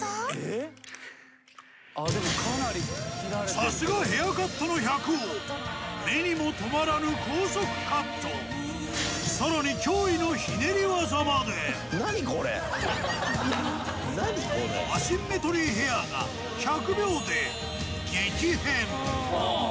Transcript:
さすがヘアカットの百王目にも留まらぬ高速カットさらに驚異のひねり技までアシンメトリーヘアが１００秒で激変